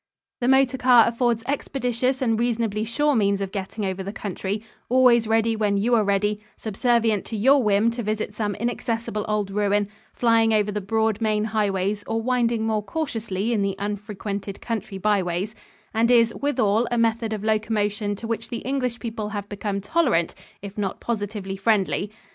The motor car affords expeditious and reasonably sure means of getting over the country always ready when you are ready, subservient to your whim to visit some inaccessible old ruin, flying over the broad main highways or winding more cautiously in the unfrequented country byways and is, withal, a method of locomotion to which the English people have become tolerant if not positively friendly.